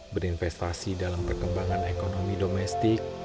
berinvestasi dalam perkembangan ekonomi domestik